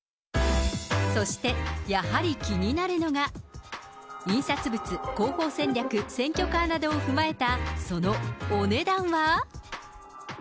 そして、やはり気になるのが、印刷物、広報戦略、選挙カーなどを踏まえた、そのお値段は？